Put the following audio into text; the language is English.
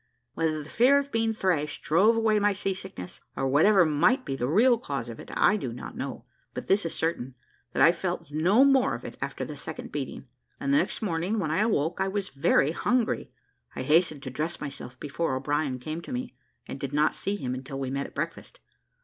Whether the fear of being thrashed drove away my sea sickness, or whatever might be the real cause of it, I do not know, but this is certain, that I felt no more of it after the second beating, and the next morning, when I awoke, I was very hungry. I hastened to dress myself before O'Brien came to me, and did not see him until we met at breakfast.